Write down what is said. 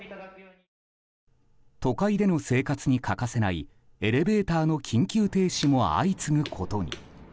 都会での生活に欠かせないエレベーターの緊急停止も相次ぐことに。